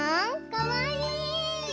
かわいい！